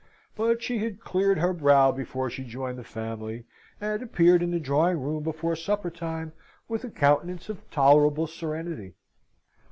But she had cleared her brow before she joined the family, and appeared in the drawing room before supper time with a countenance of tolerable serenity.